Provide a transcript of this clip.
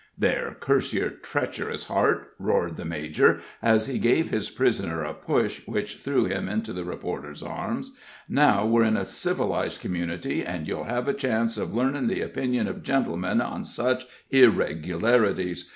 "There, curse your treacherous heart!" roared the major, as he gave his prisoner a push which threw him into the reporter's arms. "Now we're in a civilized community, and you'll have a chance of learning the opinions of gentlemen on such irregularities.